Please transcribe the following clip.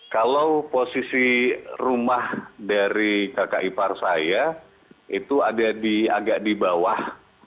kalau posisi rumah dari kakak ipar saya itu ada di agak di bawah